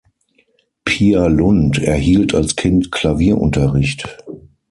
Pia Lund erhielt als Kind Klavierunterricht.